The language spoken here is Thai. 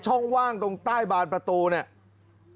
ช่องว่างตรงใต้บานประตูเนี่ย